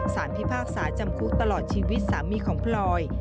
พิพากษาจำคุกตลอดชีวิตสามีของพลอย